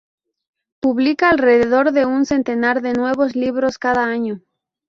Publica alrededor de un centenar de nuevos libros cada año.